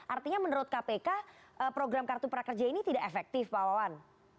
artinya menurut kpk program kartu prakerja ini tidak efektif pak wawan